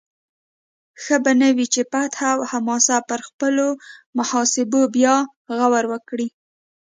ښه به نه وي چې فتح او حماس پر خپلو محاسبو بیا غور وکړي؟